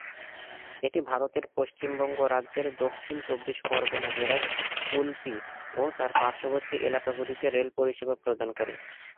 এটি ভারতের পশ্চিমবঙ্গ রাজ্যের দক্ষিণ চব্বিশ পরগনা জেলার কুলপি ও তার পার্শ্ববর্তী এলাকাগুলিতে রেল পরিষেবা প্রদান করে।